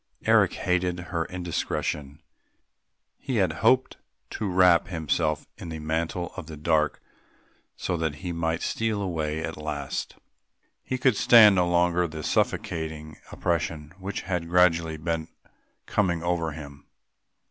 Eric hated her indiscretion; he had hoped to wrap himself in the mantle of the dark so that he might steal away at last. He could stand no longer the suffocating oppression which had gradually been coming over him.